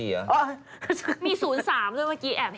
มี๐๓เมื่อกี้แอบเห็น